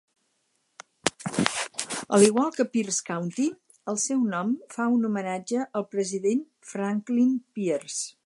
Al igual que Pierce County, el seu nom fa un homenatge al president Franklin Pierce.